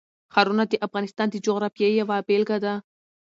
ښارونه د افغانستان د جغرافیې یوه بېلګه ده.